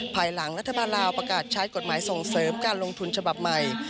ภายหลังรัฐบาลลาวประกาศใช้กฎหมายส่งเสริมการลงทุนฉบับใหม่